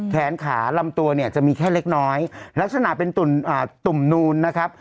แขนขาลำตัวเนี่ยจะมีแค่เล็กน้อยลักษณะเป็นตุ่มนูนนะครับ